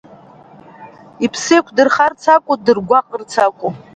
Иԥсы еиқәдырхарц акәу, ддыргәаҟларц акәу?